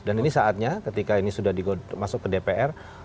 dan ini saatnya ketika ini sudah masuk ke dpr